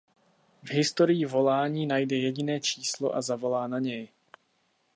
V historii volání najde jediné číslo a zavolá na něj.